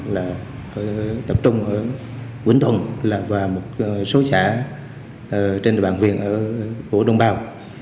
là tập trung ở quỳnh thuận và một số xã trên địa bàn viện ở vũ đông bào